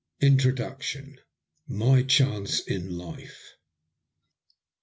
INTRODUCTION. IfY CHANCB IN LIFB.